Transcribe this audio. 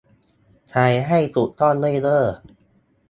ใช้ให้ถูกต้องด้วยเด้อ